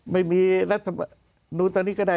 ไม่มีรัฐมนูนตอนนี้ก็ได้